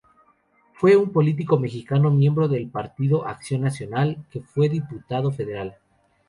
Fue un político mexicano, miembro del Partido Acción Nacional, que fue diputado federal.